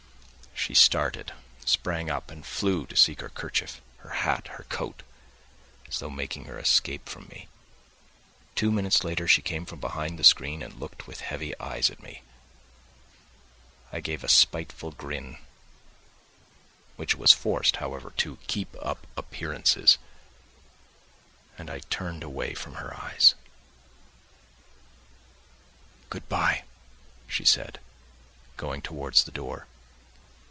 She started, sprang up, and flew to seek her kerchief, her hat, her coat, as though making her escape from me.... Two minutes later she came from behind the screen and looked with heavy eyes at me. I gave a spiteful grin, which was forced, however, to keep up appearances, and I turned away from her eyes. "Good bye," she said, going towards the door.